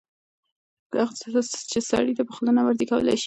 هغه څه چې سړي ته په خوله نه ورځي کولی شي